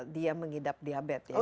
dia mengidap diabetes